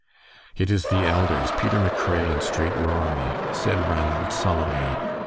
"It is the elders, Peter McRae and Straight Rory," said Ranald, sullenly.